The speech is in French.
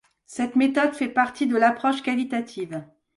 Cette méthode fait partie de l’approche qualitative.